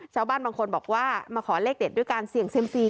ชาวบ้านบางคนบอกว่ามาขอเลขเด็ดด้วยการเสี่ยงเซียมซี